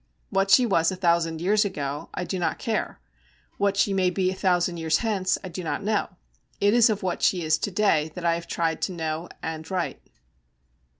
What she was a thousand years ago I do not care, what she may be a thousand years hence I do not know; it is of what she is to day that I have tried to know and write.